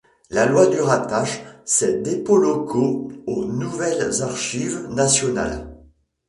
La loi du rattache ces dépôts locaux aux nouvelles Archives nationales.